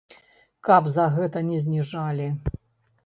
Каб за гэта не зніжалі.